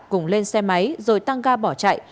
cùng lên xe máy rồi tăng ga bỏ chạy